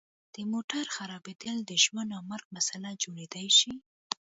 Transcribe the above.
د موټر خرابیدل د ژوند او مرګ مسله جوړیدای شي